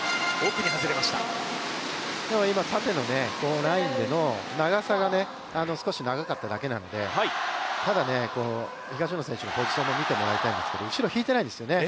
今、縦のラインでの、長さが少し長かっただけなので、ただ東野選手のポジションも見てもらいたいんですけれども、後ろ、引いてないですよね。